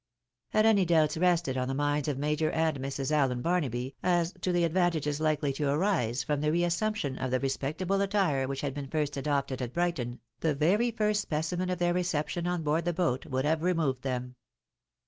Had any doubts rested on the minds of Major and Mrs. Allen Barnaby, as to the advantages likely to arise from the reassumption of the respectable attire which had been first adopted at Brighton, the very first specimen of their reception on board the boat would have removed them.